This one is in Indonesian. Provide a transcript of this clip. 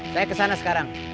saya ke sana sekarang